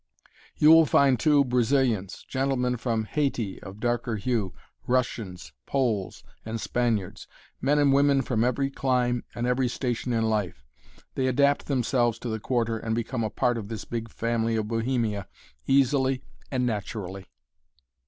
You will find, too, Brazilians; gentlemen from Haiti of darker hue; Russians, Poles, and Spaniards men and women from every clime and every station in life. They adapt themselves to the Quarter and become a part of this big family of Bohemia easily and naturally.